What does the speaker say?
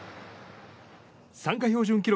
参加標準記録